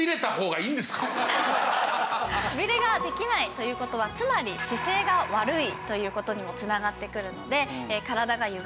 くびれができないという事はつまり姿勢が悪いという事にも繋がってくるので。